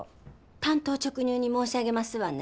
単刀直入に申し上げますわね。